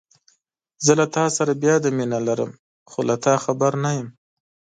زه له تاسره بې حده مينه لرم، خو له تا خبر نه يم.